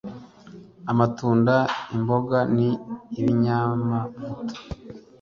amatunda imboga ni binyamavuta